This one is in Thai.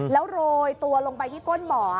แล้วโรยตัวลงไปที่ก้นบ่อ